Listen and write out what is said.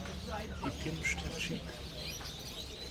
He pinched her cheek.